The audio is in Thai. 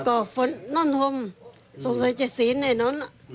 ก็ฝนน้ำท่มสงสัยจะเสียในนั้น